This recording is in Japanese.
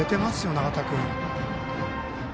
永田君。